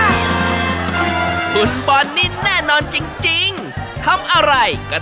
ถ้ามือแบบนี้แป๊บเนี่ยเขาจะเข้ามาได้สายควา